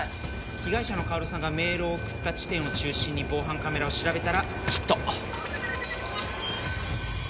被害者の薫さんがメールを送った地点を中心に防犯カメラを調べたらヒット。